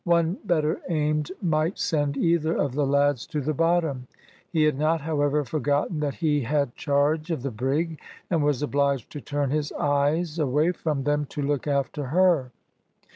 One better aimed might send either of the lads to the bottom. He had not, however, forgotten that he had charge of the brig, and was obliged to turn his eyes away from them to look after her.